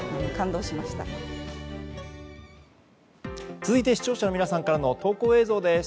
続いて視聴者の皆さんからの投稿映像です。